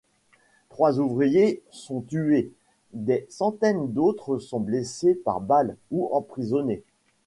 Trois ouvriers sont tués, des centaines d’autres sont blessés par balles, ou emprisonnés.